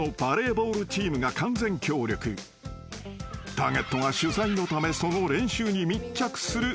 ［ターゲットが取材のためその練習に密着するという設定］